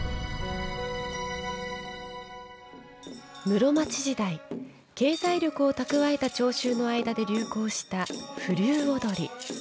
室町時代、経済力を蓄えた町衆の間で流行した風流踊り。